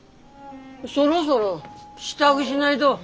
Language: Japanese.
そろそろ支度しないど。